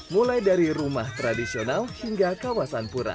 mulai dari rumah tradisional hingga kawasan pura